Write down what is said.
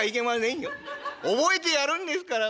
覚えてやるんですから。